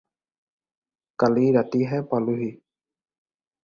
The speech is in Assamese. কালি ৰাতিহে পালোঁহি।